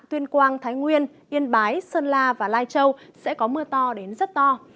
tuyên quang thái nguyên yên bái sơn la và lai châu sẽ có mưa to đến rất to